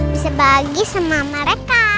bisa bagi sama mereka